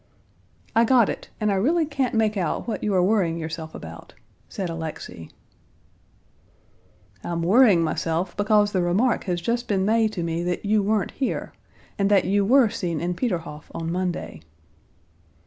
"I got it, and I really can't make out what you are worrying yourself about," said Alexey. "I'm worrying myself because the remark has just been made to me that you weren't here, and that you were seen in Peterhof on Monday."